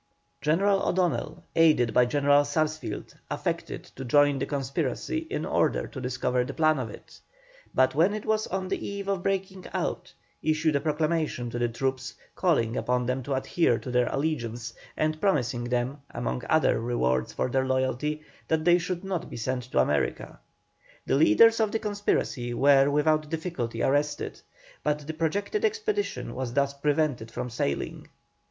General O'Donnell, aided by General Sarsfield, affected to join the conspiracy in order to discover the plan of it, but when it was on the eve of breaking out, issued a proclamation to the troops, calling upon them to adhere to their allegiance, and promising them, among other rewards for their loyalty, that they should not be sent to America. The leaders of the conspiracy were without difficulty arrested, but the projected expedition was thus prevented from sailing.